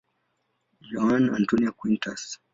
Joana Antónia Quintas.